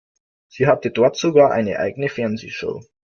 Sie hatte dort sogar eine eigene Fernsehshow.